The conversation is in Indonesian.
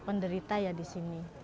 penderita ya di sini